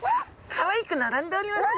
かわいく並んでおりますね。